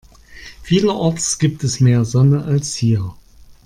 Vielerorts gibt es mehr Sonne als hier.